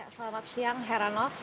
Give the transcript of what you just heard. selamat siang heranov